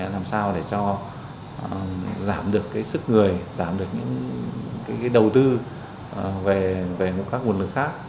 làm sao để cho giảm được sức người giảm được những đầu tư về các nguồn lực khác